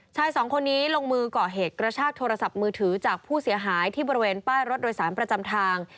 ชายสองคนนี้ลงมือก่อเหตุกระชากโทรศัพท์มือถือจากผู้เสียหายที่บริเวณป้ายรถโดยสารประจำทาง